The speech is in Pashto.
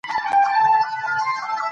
د هغې ږغ ويني په جوش راوستلې دي.